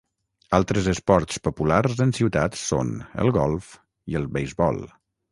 Altres esports populars en ciutats són el golf i el beisbol.